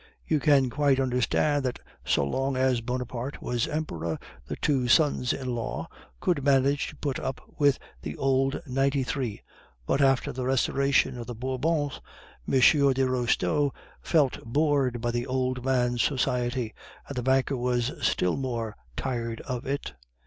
You can quite understand that so long as Bonaparte was Emperor, the two sons in law could manage to put up with the old Ninety three; but after the restoration of the Bourbons, M. de Restaud felt bored by the old man's society, and the banker was still more tired of it.